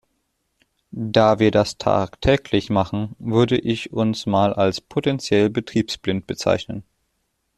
Da wir das tagtäglich machen, würde ich uns mal als potenziell betriebsblind bezeichnen.